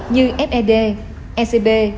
như fed ecb